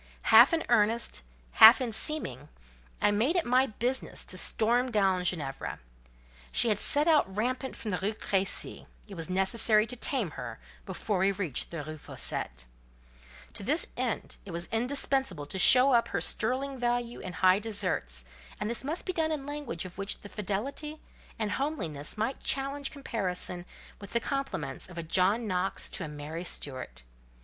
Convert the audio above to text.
Half in earnest, half in seeming, I made it my business to storm down Ginevra. She had set out rampant from the Rue Crécy; it was necessary to tame her before we reached the Rue Fossette: to this end it was indispensable to show up her sterling value and high deserts; and this must be done in language of which the fidelity and homeliness might challenge comparison with the compliments of a John Knox to a Mary Stuart.